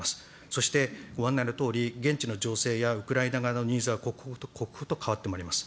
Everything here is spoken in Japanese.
そしてご案内のとおり、現地の情勢やウクライナ側のニーズは刻々と刻々と変わってまいります。